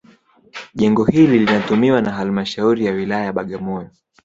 Jengo hilo linatumiwa na halmashauri ya wilaya Bagamoyo